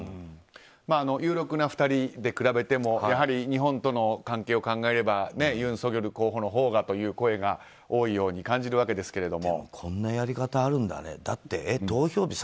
有力な２人で比べてもやはり日本との関係を考えるとユン・ソギョル候補のほうがという声が多いように感じるわけですけれども。